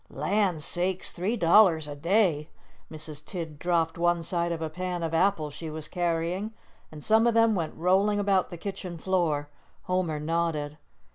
"Land sakes! Three dollars a day." Mrs. Tidd dropped one side of a pan of apples she was carrying, and some of them went rolling about the kitchen floor. Homer nodded.